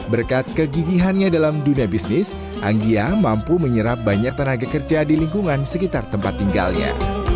berkat kegigihannya dalam dunia bisnis anggia mampu menyerap banyak tenaga kerja di lingkungan sekitar tempat tinggalnya